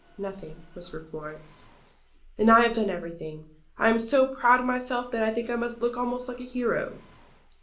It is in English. "Nothing," whispered Florence. "And I have done everything. I am so proud of myself that I think I must look almost like a hero."